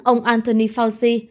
ông anthony fauci